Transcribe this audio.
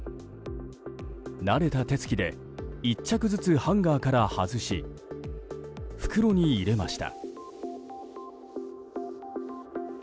慣れた手つきで１着ずつハンガーから外し袋に入れました。